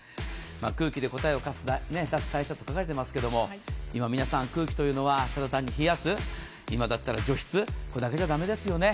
空気で答えを出す会社と書かれてますけども皆さん、空気というのはただ単に冷やす今だったら除湿それだけじゃ駄目ですよね。